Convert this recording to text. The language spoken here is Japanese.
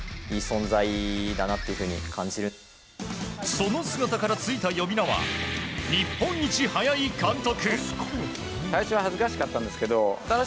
その姿からついた呼び名は日本一速い監督。